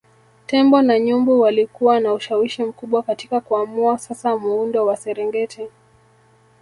Tembo na nyumbu walikuwa na ushawishi mkubwa katika kuamua sasa muundo wa Serengeti